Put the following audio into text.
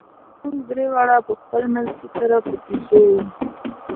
موږ درې واړه په خپل منځ کې سره په کیسو وو.